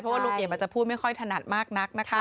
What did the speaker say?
เพราะว่าลุงเอ๋ยมอาจจะพูดไม่ค่อยธนัดมากนัก